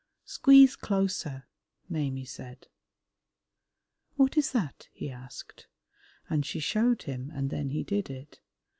"Squeeze closer," Maimie said. "What is that?" he asked, and she showed him, and then he did it.